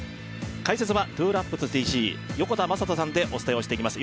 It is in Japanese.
解説はＴＷＯＬＡＰＳＴＣ横田真人さんでお伝えをしていきます